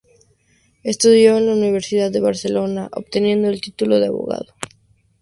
Estudió en la Universidad de Barcelona, obteniendo el título de abogado.